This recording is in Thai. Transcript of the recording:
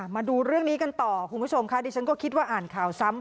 มาดูเรื่องนี้กันต่อคุณผู้ชมค่ะดิฉันก็คิดว่าอ่านข่าวซ้ำ